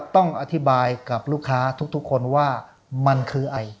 ต้องอธิบายกับลูกค้าทุกคนว่ามันคืออะไร